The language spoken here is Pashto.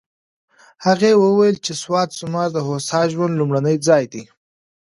هغې وویل چې سوات زما د هوسا ژوند لومړنی ځای دی.